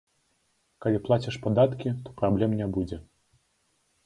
Калі плаціш падаткі, то праблем не будзе.